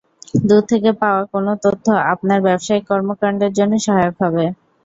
দূর থেকে পাওয়া কোনো তথ্য আপনার ব্যবসায়িক কর্মকাণ্ডের জন্য সহায়ক হবে।